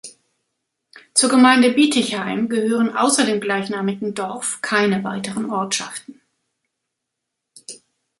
Zur Gemeinde Bietigheim gehören außer dem gleichnamigen Dorf keine weiteren Ortschaften.